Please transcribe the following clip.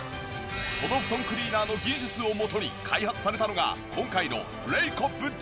その布団クリーナーの技術をもとに開発されたのが今回のレイコップジェネシス。